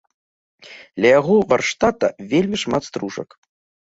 Ля яго варштата вельмі шмат стружак.